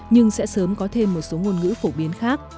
nhưng sẽ sớm có thêm một số ngôn ngữ phổ biến khác